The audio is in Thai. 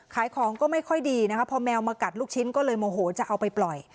ขายของก็ไม่ค่อยดีนะคะพอแมวมากัดลูกชิ้นก็เลยโมโหจะเอาไปปล่อย